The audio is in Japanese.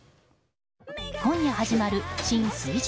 今夜始まる新水１０